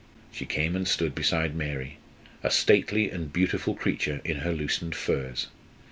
She came and stood beside Mary, a stately and beautiful creature in her loosened furs.